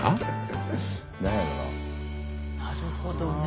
なるほどね。